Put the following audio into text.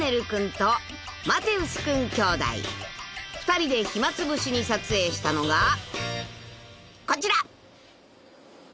［２人で暇つぶしに撮影したのがこちら］